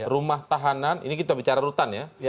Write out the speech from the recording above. rumah tahanan ini kita bicara rutan ya